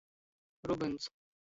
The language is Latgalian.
Rubyns.